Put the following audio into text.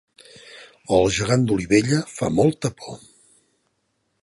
El gegant d'Olivella fa molta por